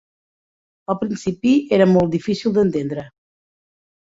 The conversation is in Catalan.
Al principi era molt difícil d'entendre